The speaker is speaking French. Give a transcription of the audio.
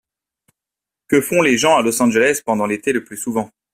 Que font les gens à Los Angeles pendant l'été le plus souvent ?